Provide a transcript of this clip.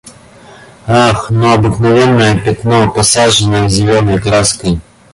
Ах, ну, обыкновенное пятно, посаженное зелёной краской.